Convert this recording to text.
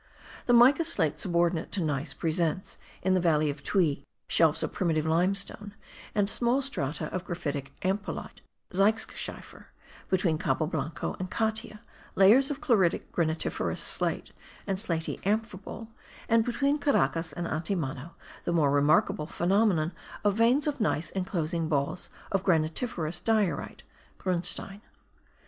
The mica slate subordinate to gneiss presents, in the valley of Tuy, shelves of primitive limestone and small strata of graphic ampelite (zeicheschiefer); between Cabo Blanco and Catia layers of chloritic, granitiferous slate, and slaty amphibole; and between Caracas and Antimano, the more remarkable phenomenon of veins of gneiss inclosing balls of granitiferous diorite (grunstein).